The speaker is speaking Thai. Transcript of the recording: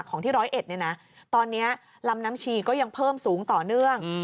ที่ร้อยเอ็ดเนี่ยนะตอนนี้ลำน้ำชีก็ยังเพิ่มสูงต่อเนื่อง